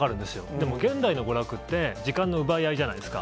でも、現代の娯楽って、時間の奪い合いじゃないですか。